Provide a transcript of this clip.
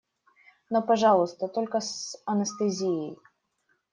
Но, пожалуйста, только с анестезией.